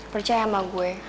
percaya sama gue